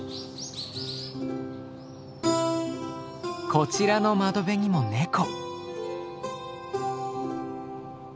こちらの窓辺にもネコ。